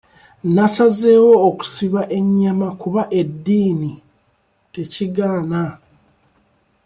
Nnasazeewo okusiba ennyama kuba eddiini tekigaana.